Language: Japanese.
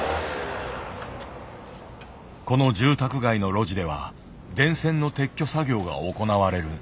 この住宅街の路地では電線の撤去作業が行われる。